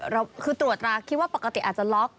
เราคือตรวจตราคิดว่าปกติอาจจะล็อก